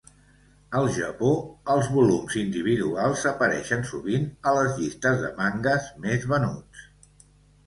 Al Japó, els volums individuals apareixen sovint a les llistes de mangues més venuts.